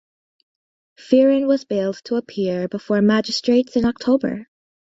Fearon was bailed to appear before magistrates in October.